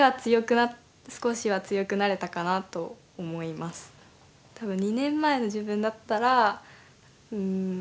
まあその時多分２年前の自分だったらうん。